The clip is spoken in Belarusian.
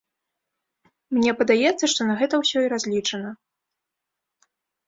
Мне падаецца, што на гэта ўсё і разлічана.